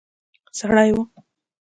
سړی وو.